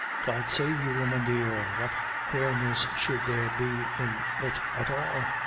"God save you, woman dear, what quareness should there be in it at all ?"